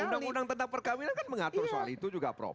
undang undang tentang perkawinan kan mengatur soal itu juga prof